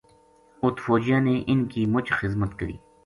اُت فوجیاں نے اِنھ کی مُچ خذمت کری